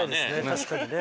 確かにね。